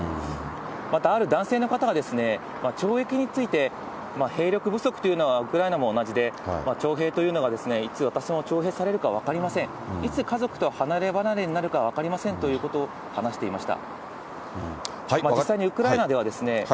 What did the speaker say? またある男性の方は、について、兵力不足というのがウクライナも同じで、徴兵というのがいつ私も徴兵されるか分かりません、いつ家族と離れ離れになるか分かりませんということを話していました。